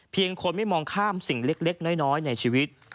คนไม่มองข้ามสิ่งเล็กน้อยในชีวิต